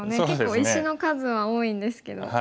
結構石の数は多いんですけど。